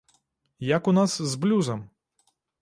Як у нас з блюзам?